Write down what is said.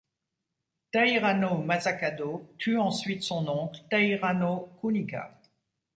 Taira no Masakado tue ensuite son oncle Taira no Kunika.